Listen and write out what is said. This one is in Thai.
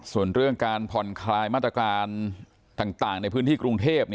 ส่วนเรื่องการผ่อนคลายมาตรการต่างในพื้นที่กรุงเทพ